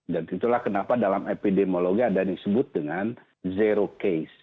dan itulah kenapa dalam epidemiologi ada yang disebut dengan zero case